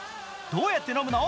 どうやって飲むの？